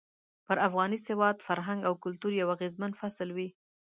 پر افغاني سواد، فرهنګ او کلتور يو اغېزمن فصل وي.